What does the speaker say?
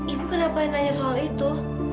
ibu kenapa nanya soal itu